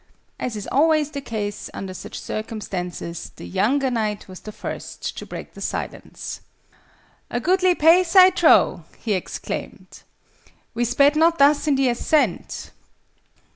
As is always the case under such circumstances, the younger knight was the first to break the silence. "A goodly pace, I trow!" he exclaimed. "We sped not thus in the ascent!"